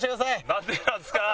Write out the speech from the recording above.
なんでなんですか！